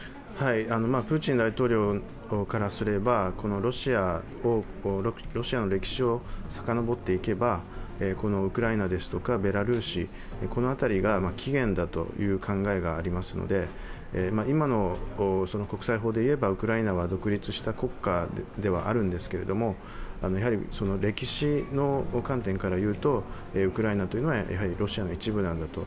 プーチン大統領からすれば、ロシアの歴史をさかのぼっていけばこのウクライナですとかベラルーシ、この辺りが起源だという考えがありますので今の国際法でいえば、ウクライナは独立した国家ではあるんですけれども、その歴史の観点から言うと、ウクライナというのはやはりロシアの一部なんだと。